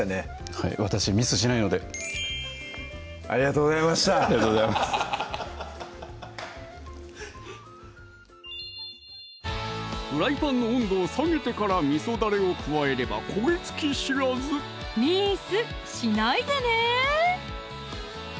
はい私ミスしないのでありがとうございましたありがとうございますフライパンの温度を下げてからみそだれを加えれば焦げ付き知らず「ミス」しないでね！